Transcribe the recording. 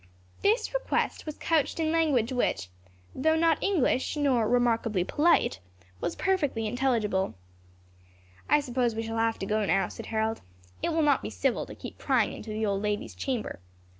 This request was couched in language which, though not English, nor remarkably polite, was perfectly intelligible. "I suppose we shall have to go now," said Harold; "it will not be civil to keep prying into the old lady's chamber.